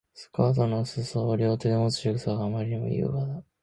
スカートの裾を両手でもつ仕草があまりに優雅だ